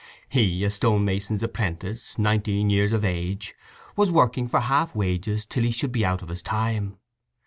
He, a stone mason's apprentice, nineteen years of age, was working for half wages till he should be out of his time.